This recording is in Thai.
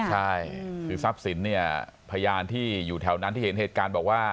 ใช่คือทรัพย์สินเนี่ยพยานที่อยู่แถวนั้นที่เห็นเหตุการณ์บอกว่า